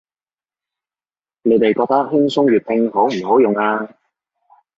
你哋覺得輕鬆粵拼好唔好用啊